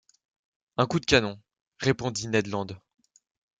Un coup de canon, » répondit Ned Land.